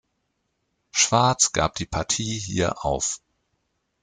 Schwarz gab die Partie hier auf.